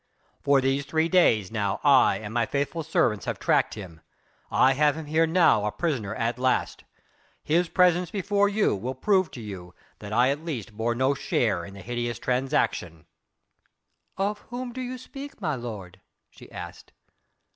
"For these three days now I and my faithful servants have tracked him. I have him here now a prisoner at last. His presence before you will prove to you that I at least bore no share in the hideous transaction." "Of whom do you speak, my lord?" she asked.